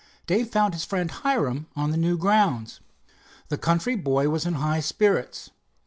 Dave found his friend, Hiram, on the new grounds. The country boy was in high spirits.